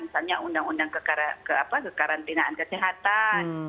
misalnya undang undang kekarantinaan kesehatan